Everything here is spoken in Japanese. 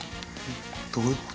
どういう事？